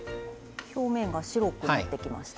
表面が白くなってきました。